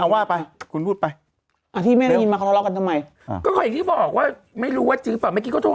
ว่าไปที่เรากันทำไมค่อยที่บอกว่าไม่รู้ว่าไปก็จะมี